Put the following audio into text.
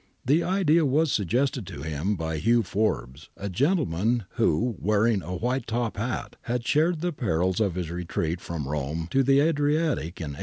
The idea was suggested to him by Hugh Forbes, the gentleman who, wearing a white top hat, had shared the perils of his retreat from Rome to the Adriatic in 1849.